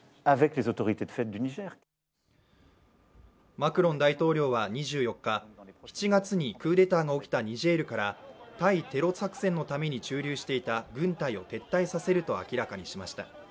マクロン大統領は２４日、７月にクーデターの起きたニジェールから対テロ作戦のために駐留していた軍隊を撤退させると明らかにしました。